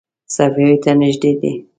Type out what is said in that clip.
صفوي ته نږدې دی.